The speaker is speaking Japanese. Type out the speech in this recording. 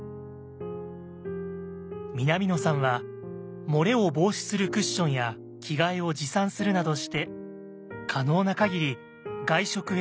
南野さんは漏れを防止するクッションや着替えを持参するなどして可能なかぎり外食へ